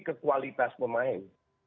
ke kualitas pemain